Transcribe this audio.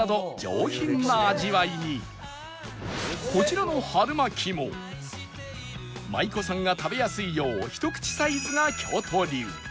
こちらの春巻きも舞妓さんが食べやすいようひと口サイズが京都流